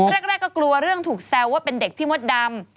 แรกก็กลัวเรื่องถูกแซวว่าเป็นเด็กพี่มดดำ